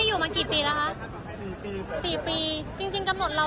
คุณอยู่ในโรงพยาบาลนะ